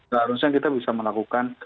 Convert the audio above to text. seharusnya kita bisa melakukan